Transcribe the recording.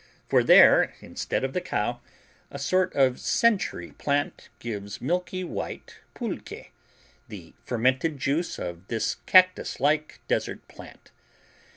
For there, instead of the cow, a sort of century plant gives milky white pulque, the fermented juice of this cactuslike desert plant.